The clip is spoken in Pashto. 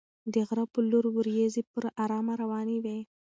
د غره په لور ورېځې په ارامه روانې وې.